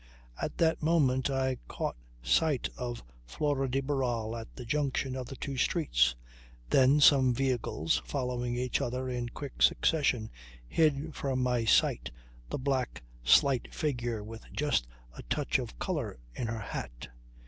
At that moment I caught sight of Flora de Barral at the junction of the two streets. Then some vehicles following each other in quick succession hid from my sight the black slight figure with just a touch of colour in her hat.